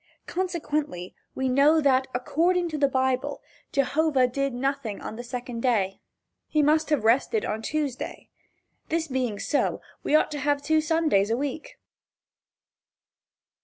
Consequently we know that, according to the Bible, Jehovah did nothing on the second day. He must have rested on Tuesday. This being so, we ought to have two Sundays a week.